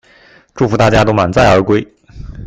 祝福大家都滿載而歸